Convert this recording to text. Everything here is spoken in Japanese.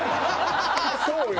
そうよ。